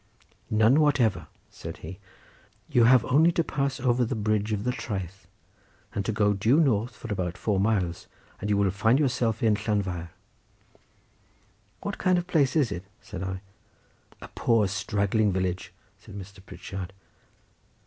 "None whatever," said he; "you have only to pass over the bridge of the traeth, and to go due north for about four miles, and you will find yourself in Llanfair." "What kind of place is it?" said I. "A poor straggling village," said Mr. Pritchard.